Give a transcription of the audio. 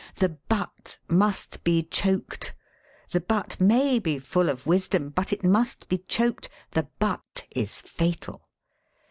(The *1>ut" must be choked. The "buf may be full of wisdom, but it must be choked ; the "but" is fatal.)